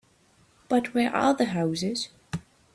But where are the houses?